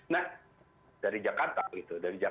nah dari jakarta gitu